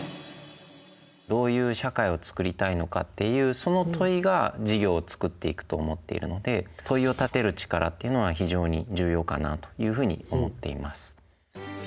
どういう社会を作りたいのかっていうその問いが事業を作っていくと思っているので問いを立てる力っていうのは非常に重要かなというふうに思っています。